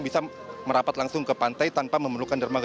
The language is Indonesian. bisa merapat langsung ke pantai tanpa memerlukan dermaga